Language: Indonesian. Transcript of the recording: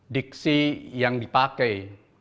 diksi yang dipakai